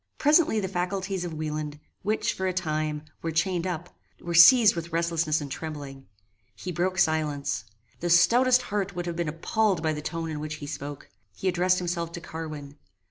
Presently the faculties of Wieland, which, for a time, were chained up, were seized with restlessness and trembling. He broke silence. The stoutest heart would have been appalled by the tone in which he spoke. He addressed himself to Carwin.